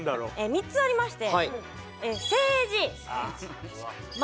３つありまして